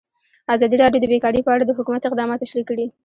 ازادي راډیو د بیکاري په اړه د حکومت اقدامات تشریح کړي.